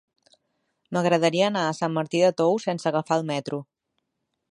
M'agradaria anar a Sant Martí de Tous sense agafar el metro.